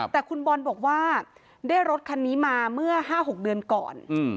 แต่คุณบอลบอกว่าได้รถคันนี้มาเมื่อ๕๖เดือนก่อน